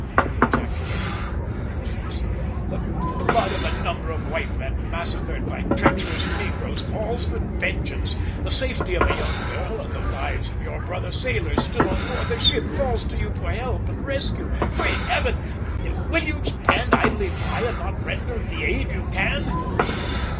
he ejaculated in broken accents. "The blood of a number of white men massacred by treacherous negroes calls for vengeance, the safety of a young girl and the lives of your brother sailors still on board the ship calls to you for help and rescue! Great Heaven! Will you stand idly by and not render the aid you can?